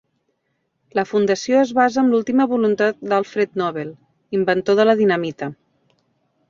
La Fundació es basa amb l'última voluntat d'Alfred Nobel, inventor de la dinamita.